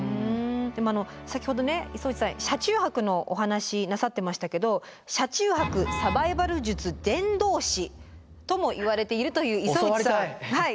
でも先ほどね磯打さん車中泊のお話なさってましたけど車中泊サバイバル術伝道師ともいわれているという磯打さん。